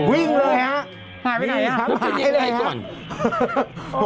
วิ่งเลยฮะหายไปไหนฮะหายเลยฮะ